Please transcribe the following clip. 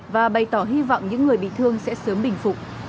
và bày tỏ hy vọng những người bị thương sẽ sớm bình phục